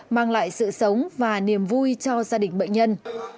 mang lại sự sống và niềm vui cho gia đình bệnh nhân